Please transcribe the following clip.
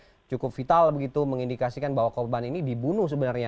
yang cukup vital begitu mengindikasikan bahwa korban ini dibunuh sebenarnya